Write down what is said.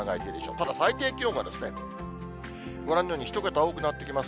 ただ、最低気温は、ご覧のように１桁が多くなってきます。